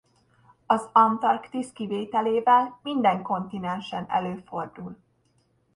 Az Antarktisz kivételével minden kontinensen előfordul.